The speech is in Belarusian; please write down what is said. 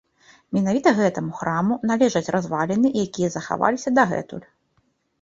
Менавіта гэтаму храму належаць разваліны, якія захаваліся дагэтуль.